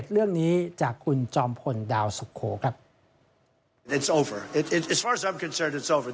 เราจะไปติดตามรายละเอียดเรื่องนี้จากคุณจอมพลดาวสุโคครับ